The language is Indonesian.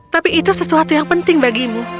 tapi itu sesuatu yang penting bagimu